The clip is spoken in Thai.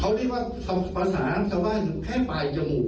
เขาเรียกว่าภาษาอังกษาว่าถึงแค่ปลายจมูก